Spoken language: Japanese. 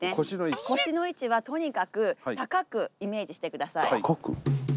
腰の位置はとにかく高くイメージして下さい。